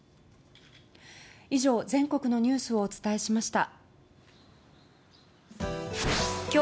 以上、全国のニュースをお伝えしました。